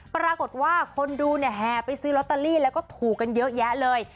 ปรากฏว่าคนดูเนี่ยแห่ไปซื้อลอตเตอรี่แล้วก็ถูกกันเยอะแยะเลย